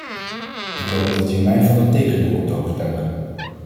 Ik hoop dat u mij van het tegendeel kan overtuigen.